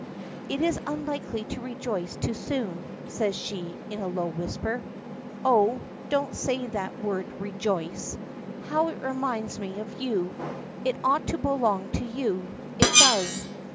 "It is unlucky to rejoice too soon," says she, in a low whisper. "Oh! don't say that word 'Rejoice.' How it reminds me of you. It ought to belong to you. It does.